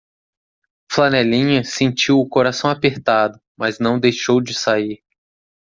O flanelinha sentiu o coração apertado, mas não deixou de sair